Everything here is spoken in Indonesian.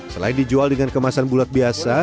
selain dijual dengan kemasan bulat biasa